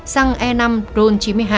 xăng e năm ron chín mươi hai